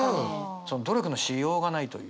努力のしようがないという。